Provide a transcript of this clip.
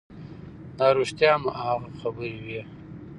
دا رښتیا هم هغه خبرې وې